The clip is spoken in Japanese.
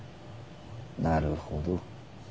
なるほど。